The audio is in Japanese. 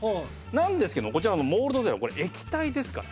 なんですけどこちらのモールドゼロこれ液体ですから。